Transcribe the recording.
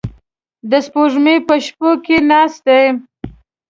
د سپوږمۍ په شپو کې ناسته ده